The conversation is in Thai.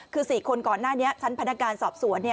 คือ๔คนก่อนหน้านี้ชั้นพนักงานสอบสวน